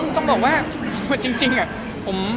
ต้องบอกว่าจริงอะ